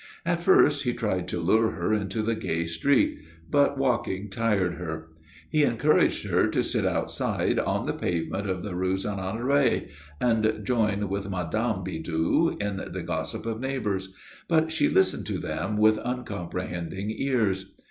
At first he tried to lure her into the gay street; but walking tired her. He encouraged her to sit outside on the pavement of the Rue Saint Honoré and join with Mme. Bidoux in the gossip of neighbours; but she listened to them with uncomprehending ears.